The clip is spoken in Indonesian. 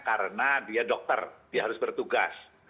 karena dia dokter dia harus bertugas